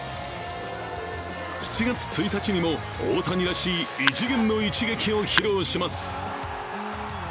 ７月１日にも大谷らしい異次元の一撃を披露します。